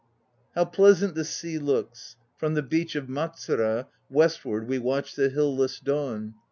How pleasant the sea looks! From the beach of Matsura Westward we watch the hill less dawn.